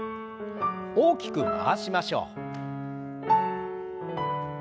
大きく回しましょう。